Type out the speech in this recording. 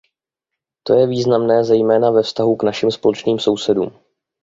To je významné zejména ve vztahu k našim společným sousedům.